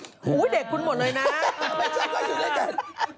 โอ้โหเด็กคุณหมดเลยนะไม่ใช่ก็อยู่ด้วยกัน